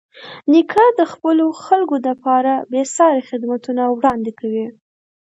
نیکه د خپلو خلکو لپاره بېساري خدمتونه وړاندې کوي.